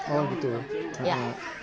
oh gitu ya